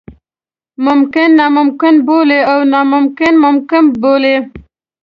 ممکن ناممکن بولي او ناممکن ممکن بولي.